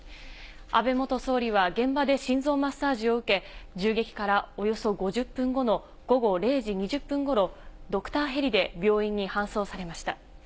安倍元総理は現場で心臓マッサージを受け、銃撃からおよそ５０分後の午後０時２０分ごろ、ドクターヘリで病院に搬送されました。